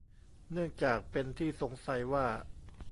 เนื่องจากเป็นที่สงสัยว่า